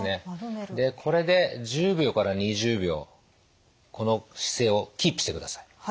でこれで１０秒から２０秒この姿勢をキープしてください。